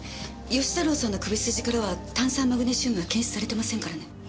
義太郎さんの首筋からは炭酸マグネシウムは検出されてませんからね。